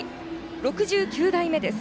６９代目です。